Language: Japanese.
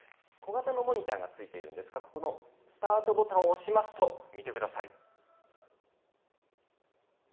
小型のモニターがついているんですが、このスタートボタンを押しますと、見てください。